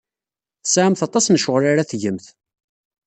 Tesɛamt aṭas n ccɣel ara tgemt.